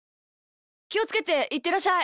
きをつけていってらっしゃい！